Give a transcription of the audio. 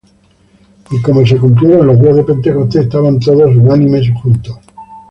Y como se cumplieron los días de Pentecostés, estaban todos unánimes juntos;